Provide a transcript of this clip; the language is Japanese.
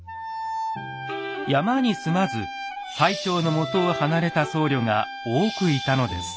山に住まず最澄のもとを離れた僧侶が多くいたのです。